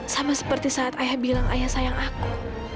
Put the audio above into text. sama seperti saat ayah bilang ayah sayang aku